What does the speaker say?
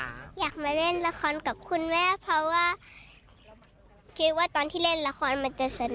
อยากมาเล่นละครกับคุณแม่เพราะว่าคิดว่าตอนที่เล่นละครมันจะสนุก